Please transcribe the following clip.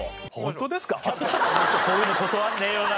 こういうの断らねえよな。